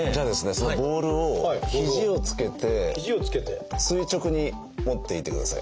そのボールを肘をつけて垂直に持っていてください。